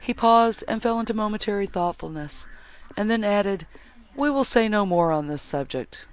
He paused, and fell into a momentary thoughtfulness, and then added, "We will say no more on this subject."